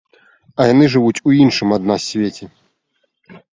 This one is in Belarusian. А яны жывуць у іншым ад нас свеце.